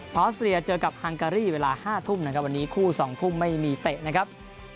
ออสเตรียเจอกับฮังการีเวลา๕ทุ่มนะครับวันนี้คู่๒ทุ่มไม่มีเตะนะครับ